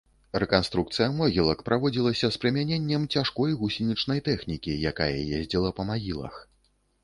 Рэканструкцыя могілак праводзілася з прымяненнем цяжкой гусенічнай тэхнікі, якая ездзіла па магілах.